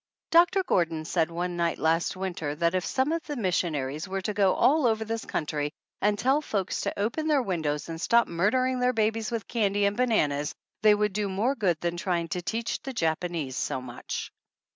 Doctor Gordon said one night last winter that if some of the missionaries were to go all over this country and tell folks to open their windows and stop murdering their babies with candy and bananas they would do more good than trying to teach the Japanese so much.